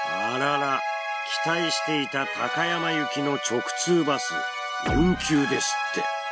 あらら期待していた高山行きの直通バス運休ですって。